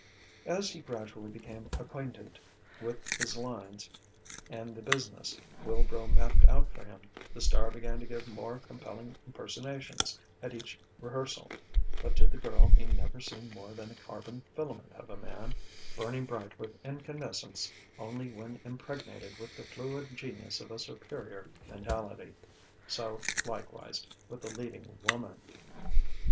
As he gradually became acquainted with his lines and the business Wilbrow mapped out for him, the star began to give more compelling impersonations at each rehearsal; but to the girl he never seemed more than a carbon filament of a man, burning bright with incandescence only when impregnated with the fluid genius of a superior mentality. So, likewise, with the leading woman....